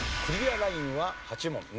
クリアラインは８問。